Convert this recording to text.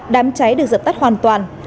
đám cháy được dập tắt hoàn toàn